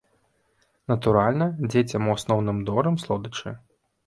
Натуральна, дзецям у асноўным дорым слодычы.